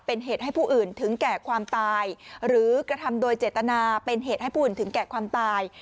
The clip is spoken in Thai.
เป็นเหตุให้ผู้อื่นถึงแก่ความตายหรือกระทำโดยเจตนาเป็นเหตุให้ผู้อื่นถึงแก่ความตาย